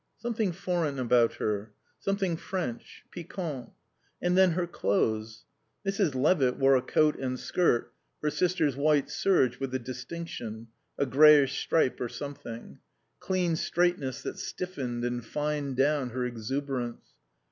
Something foreign about her. Something French. Piquant. And then, her clothes. Mrs. Levitt wore a coat and skirt, her sister's white serge with a distinction, a greyish stripe or something; clean straightness that stiffened and fined down her exuberance.